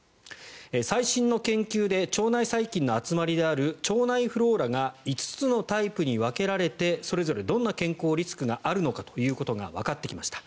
最新の研究で腸内細菌の集まりである腸内フローラが５つのタイプに分けられてそれぞれどんな健康リスクがあるのかということがわかってきました。